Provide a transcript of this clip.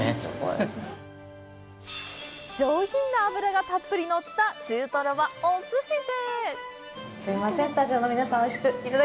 上品な脂がたっぷりのった中トロはおすしで！